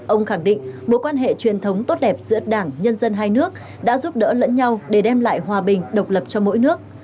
ông khẳng định mối quan hệ truyền thống tốt đẹp giữa đảng nhân dân hai nước đã giúp đỡ lẫn nhau để đem lại hòa bình độc lập cho mỗi nước